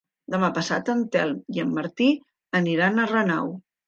Demà passat en Telm i en Martí aniran a Renau.